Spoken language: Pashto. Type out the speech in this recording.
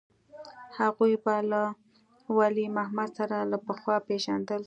هغوى به له ولي محمد سره له پخوا پېژندل.